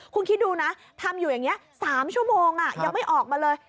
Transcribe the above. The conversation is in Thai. คุณคิดดูนะทำอยู่อย่างนี้๓ชั่วโมงยังไม่ออกมาเลย